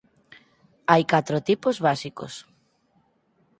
Hai catro tipos básicos.